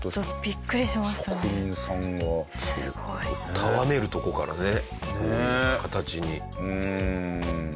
たわめるとこからね形に。